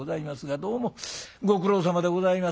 「どうもご苦労さまでございます。